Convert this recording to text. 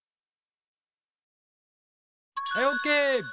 はいオーケー！